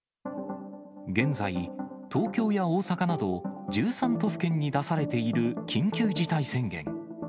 現在、東京や大阪など、１３都府県に出されている緊急事態宣言。